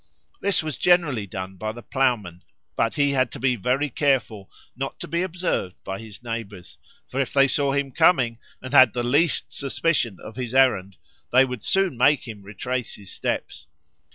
This was generally done by the ploughman; but he had to be very careful not to be observed by his neighbours, for if they saw him coming and had the least suspicion of his errand they would soon make him retrace his steps.